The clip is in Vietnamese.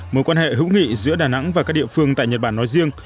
mối quan hệ hữu nghị giữa đà nẵng và các địa phương tại nhật bản nói riêng